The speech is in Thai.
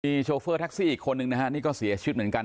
มีโชเฟอร์แท็กซี่อีกคนนึงนะฮะนี่ก็เสียชีวิตเหมือนกัน